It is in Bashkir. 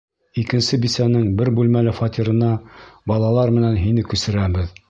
Икенсе бисәнең бер бүлмәле фатирына балалар менән һине күсерәбеҙ!